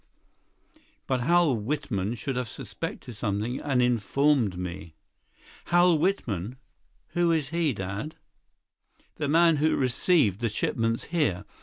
But Hal Whitman should have suspected something and informed me." "Hal Whitman? Who is he, Dad?" "The man who received the shipments here.